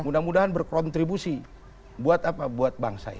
mudah mudahan berkontribusi buat apa buat bangsa ini